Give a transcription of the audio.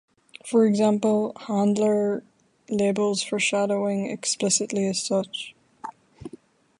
For example, Handler labels foreshadowing explicitly as such.